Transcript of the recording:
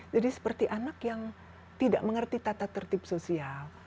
jadi seperti anak yang tidak mengerti tata tertib sosial